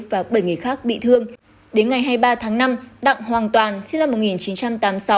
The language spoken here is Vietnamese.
và bảy người khác bị thương đến ngày hai mươi ba tháng năm đặng hoàn toàn sinh năm một nghìn chín trăm tám mươi sáu